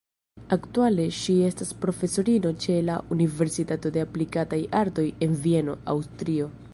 Aktuale ŝi estas profesorino ĉe la Universitato de aplikataj artoj en Vieno, Aŭstrio.